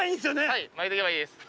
はい巻いていけばいいです！